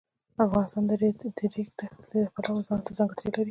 افغانستان د د ریګ دښتې د پلوه ځانته ځانګړتیا لري.